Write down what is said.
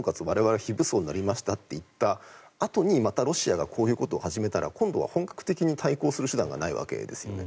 我々は非武装になりましたと言ったあとにまたロシアがこういうことを始めたら今度は本格的に対抗する手段がないわけです。